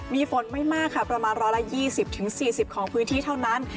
มีฝนไม่มากค่ะประมาณ๑๒๐๔๐ของพื้นที่เท่านั้น